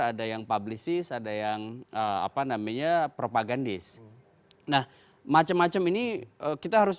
ada yang publishes ada yang apa namanya propagandis nah macam macam ini kita harus